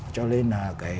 cho lên là